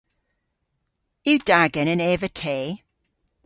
Yw da genen eva te?